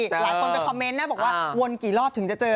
หลายคนไปคอมเมนต์นะบอกว่าวนกี่รอบถึงจะเจอ